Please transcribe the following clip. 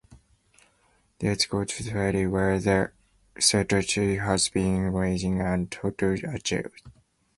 Thetis goes to Thessaly, where the centaur Chiron has been raising and tutoring Achilles.